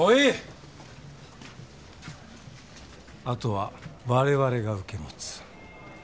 あとは我々が受け持つ。